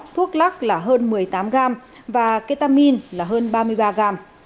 thuốc lắc là hơn một mươi tám g và ketamin là hơn ba mươi ba g